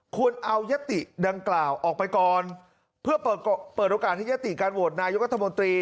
ควรเอายติดังกล่าวออกไปก่อนเพื่อเปิดโอกาสให้ยติการโหวตนายกัธมนตรี